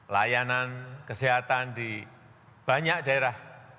layanan kesehatan di banyak daerah